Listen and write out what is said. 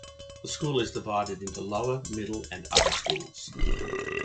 The school is divided into Lower, Middle and Upper Schools.